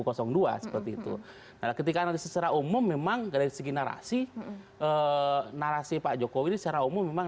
nah ketika nanti secara umum memang dari segi narasi narasi pak jokowi ini secara umum memang